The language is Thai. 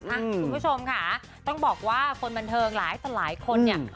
คุณผู้ชมค่ะต้องบอกว่าคนบันเทิงหลายต่อหลายคนเนี่ย